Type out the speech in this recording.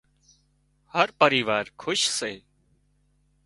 هر پريوار کُش سي